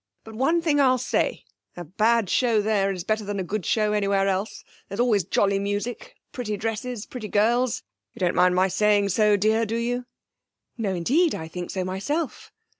But one thing I'll say, a bad show there is better than a good show anywhere else. There's always jolly music, pretty dresses, pretty girls you don't mind my saying so, dear, do you?' 'No, indeed. I think so myself.'